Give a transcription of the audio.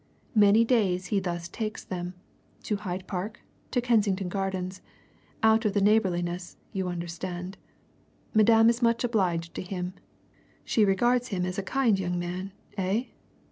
Many days he thus takes them to Hyde Park, to Kensington Gardens out of the neighbourliness, you understand. Madame is much obliged to him she regards him as a kind young man eh?